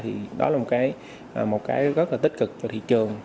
thì đó là một cái rất là tích cực cho thị trường